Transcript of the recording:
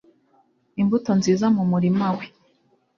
imbuto nziza mu murima we